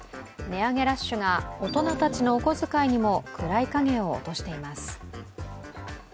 値上げラッシュが大人たちのお小遣いにも暗い影を落としています。